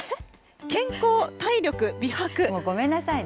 健康、体力、美白。ごめんなさいね。